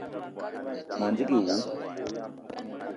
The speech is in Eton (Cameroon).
Ma ndigui wou.